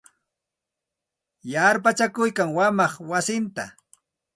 Yarpachakuykan wamaq wasinta.